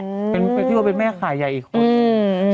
เขาเรียกว่าเป็นแม่ข่ายใยอีกค่ะ